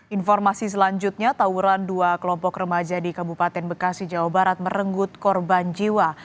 informasi selanjutnya tawuran dua kelompok remaja di kabupaten bekasi jawa barat merenggut korban jiwa